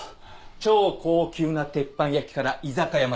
超高級な鉄板焼きから居酒屋まで。